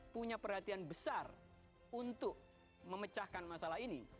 punya perhatian besar untuk memecahkan masalah ini